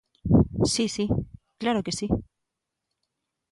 Si, si, claro que si.